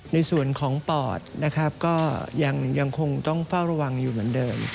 ในส่วนของปอดนะครับก็ยังคงต้องเฝ้าระวังอยู่เหมือนเดิม